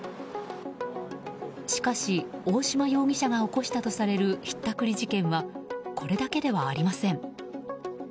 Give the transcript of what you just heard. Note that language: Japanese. しかし大島容疑者が起こしたとされるひったくり事件はこれだけではありません。